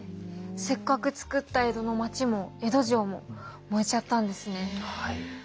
せっかくつくった江戸のまちも江戸城も燃えちゃったんですね。